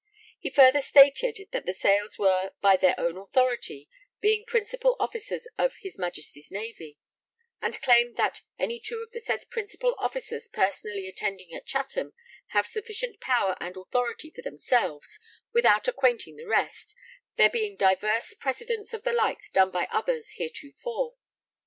He further stated that the sales were 'by their own authority, being principal officers of his Majesty's Navy,' and claimed that 'any two of the said principal officers personally attending at Chatham have sufficient power and authority for themselves, without acquainting the rest, there being divers precedents of the like done by others heretofore.'